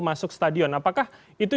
masuk stadion apakah itu